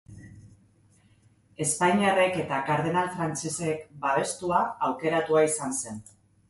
Espainiarrek eta kardenal frantsesek babestua, aukeratua izan zen.